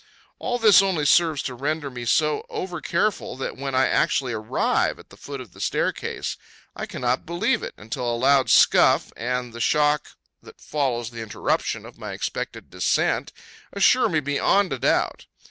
All this only serves to render me so over careful, that, when I actually arrive at the foot of the staircase, I cannot believe it, until a loud scuff, and the shock that follows the interruption of my expected descent, assure me beyond a doubt.